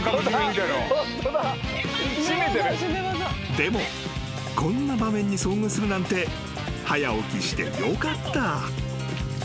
［でもこんな場面に遭遇するなんて早起きしてよかった］